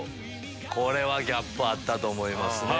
これはギャップあったと思いますね。